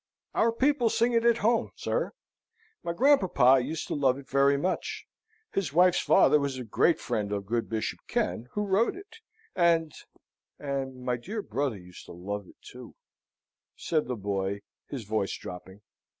"Our people sing it at home, sir. My grandpapa used to love it very much. His wife's father was a great friend of good Bishop Ken, who wrote it; and and my dear brother used to love it too;" said the boy, his voice dropping.